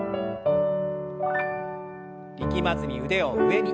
力まずに腕を上に。